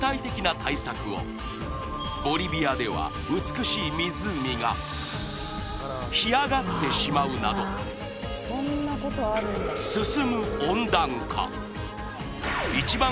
ボリビアでは美しい湖が干上がってしまうなど進む温暖化一番